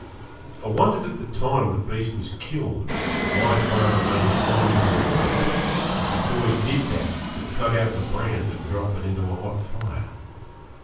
I wondered at the time the beast was killed why father made the hide into a rope, and before he did that had cut out the brand and dropped it into a hot fire.